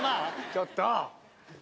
ちょっと！